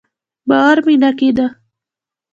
باور مې نه کېده.